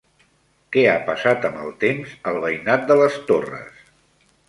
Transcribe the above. Què ha passat amb el temps al veïnat de les Torres?